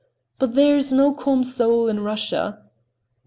But there is no calm soul in Russia.